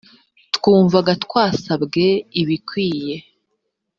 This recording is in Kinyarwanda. twumvaga twasabwe ibikwiye.